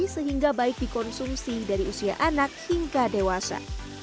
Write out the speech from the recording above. sehingga baik dikonsumsi dari usia anak hingga dewasa